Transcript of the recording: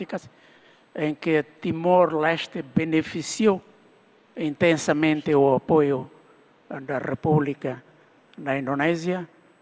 di mana timor leste mempunyai penyokongan republik indonesia